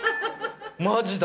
マジだ！